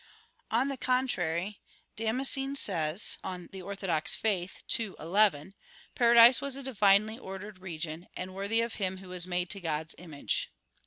On the contrary, Damascene says (De Fide Orth. ii, 11): "Paradise was a divinely ordered region, and worthy of him who was made to God's image."